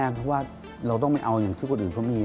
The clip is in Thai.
เพราะว่าเราต้องไปเอาอย่างที่คนอื่นเขามี